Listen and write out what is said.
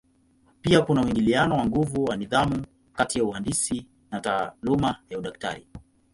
Pia kuna mwingiliano wa nguvu wa nidhamu kati ya uhandisi na taaluma ya udaktari.